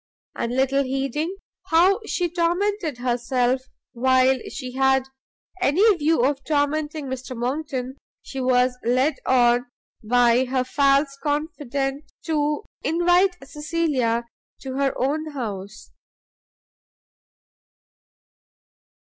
And little heeding how she tormented herself while she had any view of tormenting Mr Monckton, she was led on by her false confident to invite Cecilia to her own house.